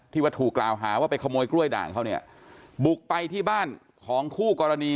ว่าถูกกล่าวหาว่าไปขโมยกล้วยด่างเขาเนี่ยบุกไปที่บ้านของคู่กรณี